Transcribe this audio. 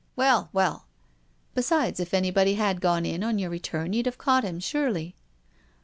"" Well, well !"" Besides, if anybody had gone in on your re turn you'd have caught him, surely."